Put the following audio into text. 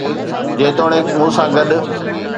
جيتوڻيڪ مون سان گڏ